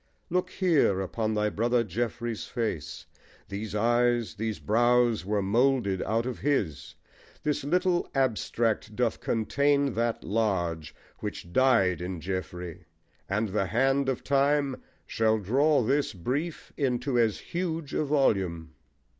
Look here upon thy brother Geoffrey's face These eyes, these brows were moulded out of his: This little abstract doth contain that large Which died in Geoffrey; and the hand of time Shall draw this brief into as huge a volume.